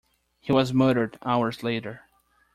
He was murdered hours later.